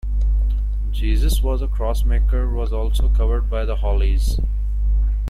"Jesus Was A Crossmaker" was also covered by the Hollies.